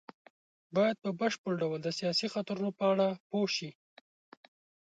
بايد په بشپړ ډول د سياسي خطرونو په اړه پوه شي.